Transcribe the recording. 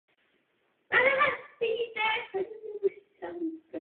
Absolvoval gymnázium v Domažlicích.